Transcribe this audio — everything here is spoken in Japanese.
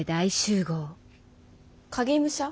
影武者？